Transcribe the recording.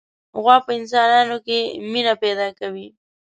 غوا په انسانانو کې مینه پیدا کوي.